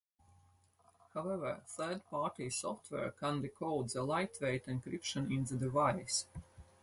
However, third-party software can decode the lightweight encryption in the device.